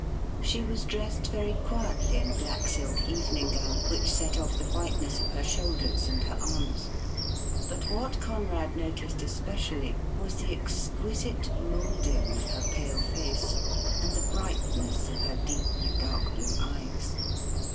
She was dressed very quietly in a black silk evening gown, which set off the whiteness of her shoulders and her arms. But what Conrad noticed especially was the exquisite moulding of her pale face and the brightness of her deep, dark blue eyes.